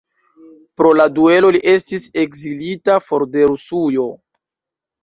Pro la duelo li estis ekzilita for de Rusujo.